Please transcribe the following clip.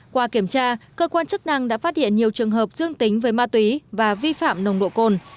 qua kiểm tra cơ quan chức năng đã phát hiện nhiều trường hợp dương tính với ma túy và vi phạm nồng độ cồn